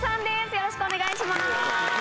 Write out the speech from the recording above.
よろしくお願いします。